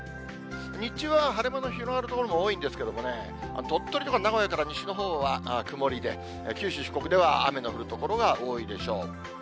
日中は晴れ間の広がる所が多いんですけれどもね、鳥取とか名古屋から西のほうは曇りで、九州、四国では雨の降る所が多いでしょう。